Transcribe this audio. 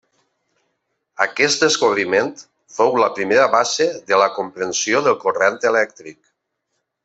Aquest descobriment fou la primera base de la comprensió del corrent elèctric.